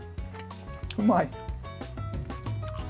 うまい。